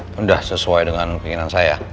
sudah sesuai dengan keinginan saya